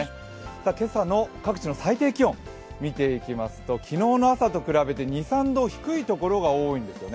今朝の各地の最低気温を見ていきますと昨日の朝と比べて２３度低いところが多いんですね。